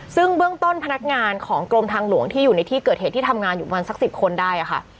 ซึ่งเบื้องต้นพนักงานของกรมทางหลวงที่อยู่ในที่เกิดเหตุที่ทำงานอยู่ประมาณสัก๑๐คนได้ค่ะ